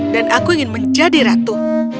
dan aku ingin menjadi ratu